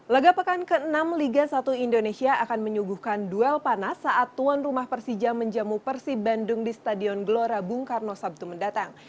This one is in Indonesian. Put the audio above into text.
laga pekan ke enam liga satu indonesia akan menyuguhkan duel panas saat tuan rumah persija menjamu persib bandung di stadion gelora bung karno sabtu mendatang